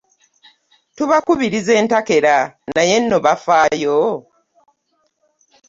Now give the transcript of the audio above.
Tubakubiriza entakera naye nno bafaayo?